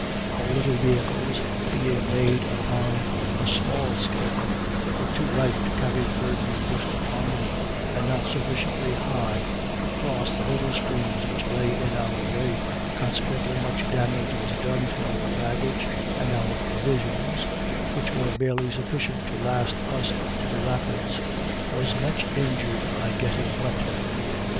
Our little vehicles being made upon a small scale, were too light to carry the burden put upon them, and not sufficiently high to cross the little streams which lay in our way, consequently much damage was done to our baggage, and our provisions (which were barely sufficient to last us to the Rapids,) was much injured by getting wet.